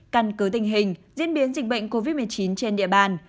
căn cứ tình hình diễn biến dịch bệnh covid một mươi chín trên địa bàn